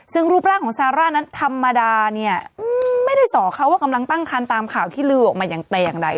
ซึ่งรูปร่างของซาร่านั้นธรรมดาเนี่ยไม่ได้สอเขาว่ากำลังตั้งคันตามข่าวที่ลือออกมาอย่างแต่อย่างใด